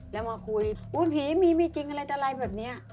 แล้วมาคุยอุ้ยผีมีมีจริงอะไรแบบนี้